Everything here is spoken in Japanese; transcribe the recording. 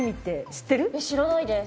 知らないです。